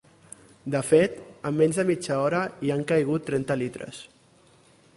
De fet, en menys de mitja hora hi han caigut trenta litres.